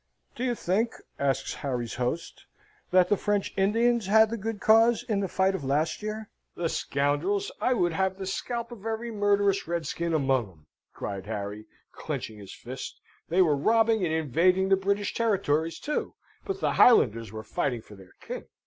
"Do you think," asks Harry's host, "that the French Indians had the good cause in the fight of last year?" "The scoundrels! I would have the scalp of every murderous redskin among 'em!" cried Harry, clenching his fist. "They were robbing and invading the British territories, too. But the Highlanders were fighting for their king."